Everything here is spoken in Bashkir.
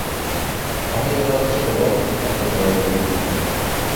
Яңы йылға Ҡыш Бабай һәм Ҡарһылыу килә